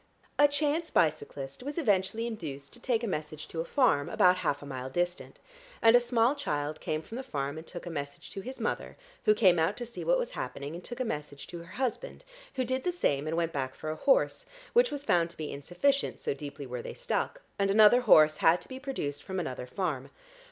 A chance bicyclist was eventually induced to take a message to a farm about half a mile distant, and a small child came from the farm and took a message to his mother, who came out to see what was happening, and took a message to her husband, who did the same, and went back for a horse, which was found to be insufficient, so deeply were they stuck, and another horse had to be produced from another farm.